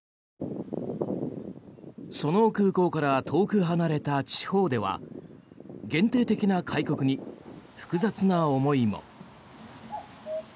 その空港から遠く離れた地方では限定的な開国に複雑な思いも。